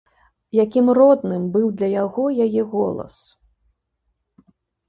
Якім родным быў для яго яе голас!